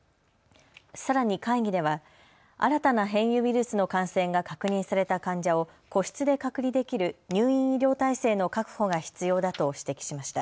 さらに、会議では新たな変異ウイルスの感染が確認された患者を個室で隔離できる入院医療体制の確保が必要だと指摘しました。